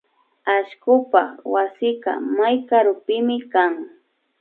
Allkupak wasika may karupimi kan